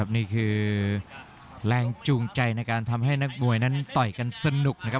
นี่คือแรงจูงใจในการทำให้นักมวยนั้นต่อยกันสนุกนะครับ